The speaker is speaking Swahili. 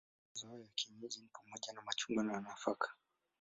Mazao ya kienyeji ni pamoja na machungwa na nafaka.